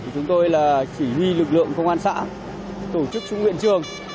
chúng tôi là chỉ huy lực lượng công an xã tổ chức trung nguyện trường